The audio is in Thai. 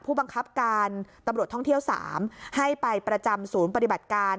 ผู้บังคับการตำรวจท่องเที่ยว๓ให้ไปประจำศูนย์ปฏิบัติการ